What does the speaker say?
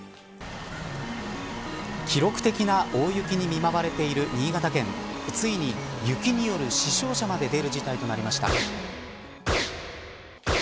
記録的な大雪に見舞われている新潟県、ついに雪による死傷者まで出る事態となりました。